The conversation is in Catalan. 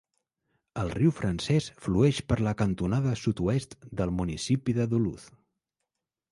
El riu francès flueix per la cantonada sud-oest del municipi de Duluth.